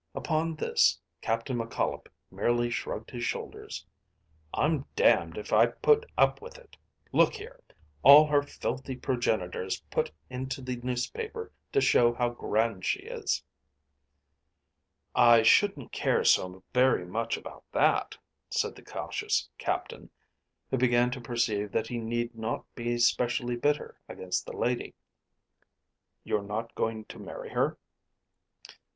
Upon this Captain McCollop merely shrugged his shoulders. "I'm d d if I put up with it. Look here! All her filthy progenitors put into the newspaper to show how grand she is." "I shouldn't care so very much about that," said the cautious Captain, who began to perceive that he need not be specially bitter against the lady. "You're not going to marry her."